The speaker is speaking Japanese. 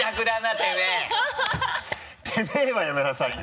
「てめぇ」はやめなさいよ。